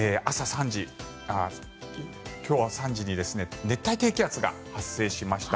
今日は朝３時に熱帯低気圧が発生しました。